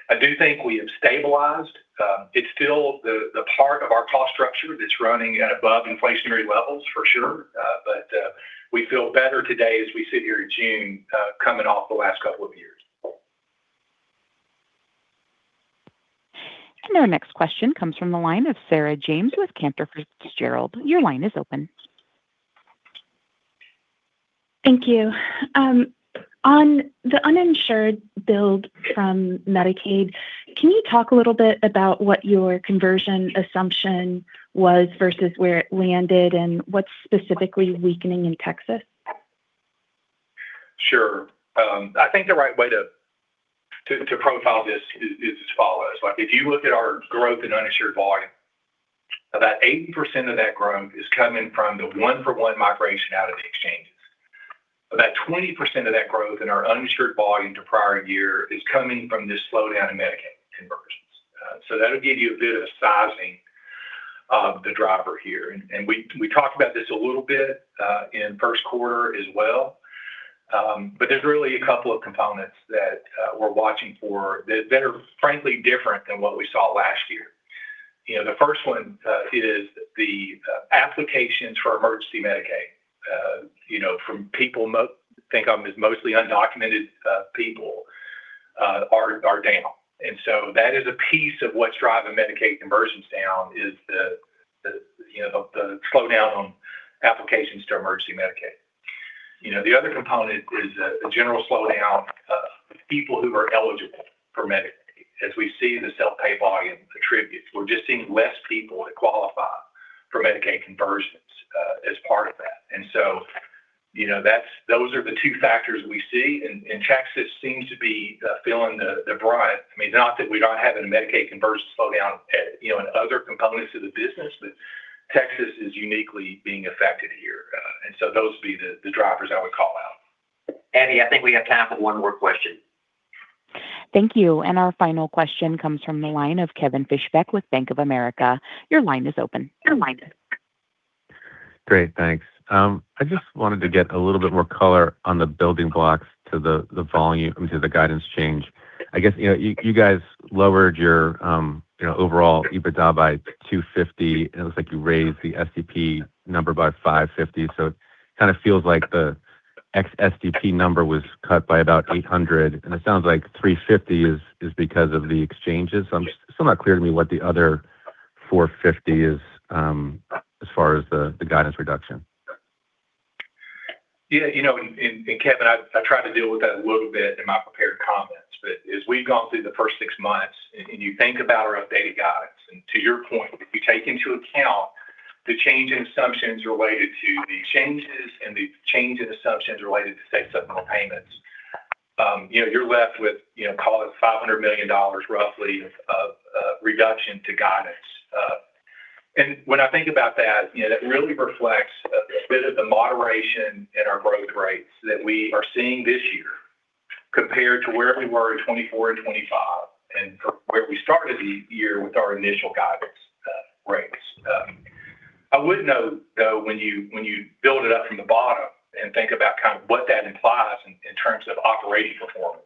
I do think we have stabilized. It's still the part of our cost structure that's running at above inflationary levels for sure. We feel better today as we sit here in June, coming off the last couple of years. Our next question comes from the line of Sarah James with Cantor Fitzgerald. Your line is open. Thank you. On the uninsured build from Medicaid, can you talk a little bit about what your conversion assumption was versus where it landed, and what's specifically weakening in Texas? Sure. I think the right way to profile this is as follows. If you look at our growth in uninsured volume, about 80% of that growth is coming from the one-for-one migration out of the exchanges. About 20% of that growth in our uninsured volume to prior year is coming from this slowdown in Medicaid conversions. That'll give you a bit of sizing of the driver here. We talked about this a little bit in first quarter as well. There's really a couple of components that we're watching for that are frankly different than what we saw last year. The first one is the applications for emergency Medicaid, from people, think of them as mostly undocumented people, are down. That is a piece of what's driving Medicaid conversions down is the slowdown on applications to emergency Medicaid. The other component is a general slowdown of people who are eligible for Medicaid. As we see the self-pay volume attributes, we're just seeing less people that qualify for Medicaid conversions as part of that. Those are the two factors we see, and Texas seems to be feeling the brunt. Not that we're not having a Medicaid conversion slowdown in other components of the business, but Texas is uniquely being affected here. Those would be the drivers I would call out. Abby, I think we have time for one more question. Thank you. Our final question comes from the line of Kevin Fischbeck with Bank of America. Your line is open. Great, thanks. I just wanted to get a little bit more color on the building blocks to the volume, to the guidance change. I guess you guys lowered your overall Adjusted EBITDA by $250, and it looks like you raised the SPP number by $550. It kind of feels like the ex SPP number was cut by about $800, and it sounds like $350 is because of the exchanges. It's still not clear to me what the other $450 is as far as the guidance reduction. Yeah. Kevin, I tried to deal with that a little bit in my prepared comments. As we've gone through the first six months, and you think about our updated guidance, and to your point, if you take into account the change in assumptions related to the exchanges and the change in assumptions related to state supplemental payments, you're left with, call it, $500 million roughly of reduction to guidance. When I think about that really reflects a bit of the moderation in our growth rates that we are seeing this year compared to where we were in 2024 and 2025, and from where we started the year with our initial guidance rates. I would note, though, when you build it up from the bottom and think about what that implies in terms of operating performance.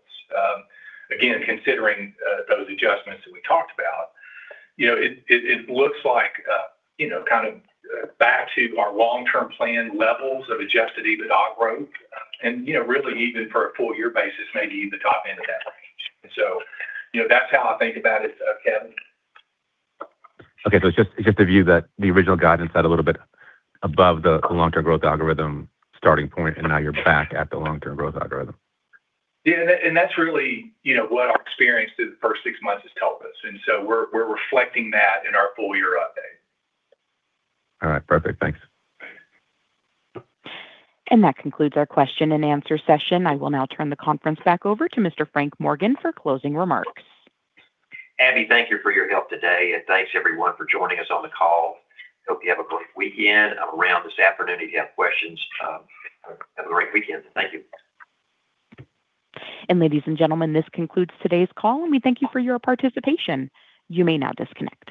Again, considering those adjustments that we talked about, it looks like back to our long-term plan levels of Adjusted EBITDA growth, and really even for a full year basis, maybe even the top end of that range. That's how I think about it, Kevin. It's just a view that the original guidance had a little bit above the long-term growth algorithm starting point, now you're back at the long-term growth algorithm. That's really what our experience through the first six months has told us, we're reflecting that in our full year update. All right. Perfect. Thanks. That concludes our question-and-answer session. I will now turn the conference back over to Mr. Frank Morgan for closing remarks. Abby, thank you for your help today, and thanks everyone for joining us on the call. Hope you have a great weekend. I am around this afternoon if you have questions. Have a great weekend. Thank you. Ladies and gentlemen, this concludes today's call, and we thank you for your participation. You may now disconnect.